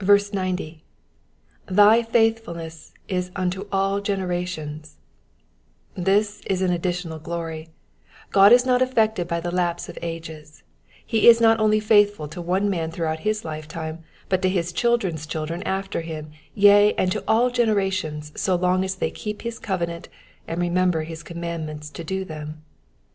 90. ^^ Thy faithfulness is unto all generations,''^ This is an additional glory : God is not affected by the lapse of ages ; he is not only faithful to one man throughout his lifetime, but to his children's children after him, yea, and to all generations so long as they keep his covenant and remember his com mandments to do them.